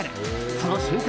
その瞬間